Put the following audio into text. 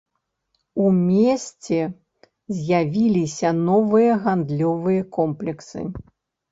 У месце з'явіліся новыя гандлёвыя комплексы.